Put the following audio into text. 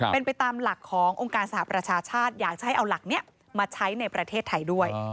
เป็นไปตามหลักขององค์การสหประชาชาติอยากจะให้เอาหลักนี้มาใช้ในประเทศไทยด้วย